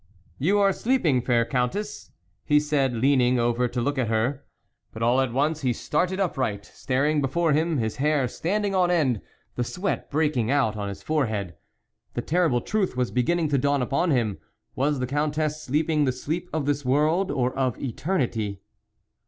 " You are sleeping, fair Countess ?" he said, leaning over to look at her. But all at once, he started upright, THE WOLF LEADER staring before him, his hair standing on end, the sweat breaking out on his fore head. The terrible truth was beginning to dawn upon him ; was the Countess sleeping the sleep of this world or of eternity